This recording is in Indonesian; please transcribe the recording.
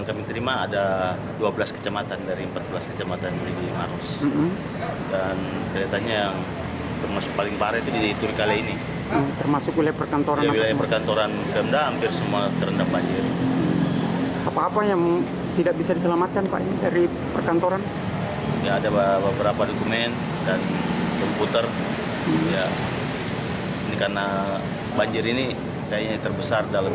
karena banjir ini terbesar dalam sejarahnya maros